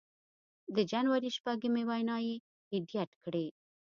د جنوري شپږمې وینا یې اېډېټ کړې